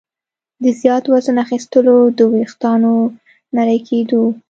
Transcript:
د زیات وزن اخیستلو، د ویښتانو نري کېدو